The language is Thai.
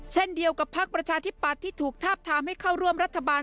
เช่นเดียวกับพักประชาธิปัตย์ที่ถูกทาบทามให้เข้าร่วมรัฐบาล